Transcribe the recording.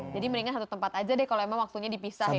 jadi mendingan satu tempat aja deh kalau emang waktunya dipisah ya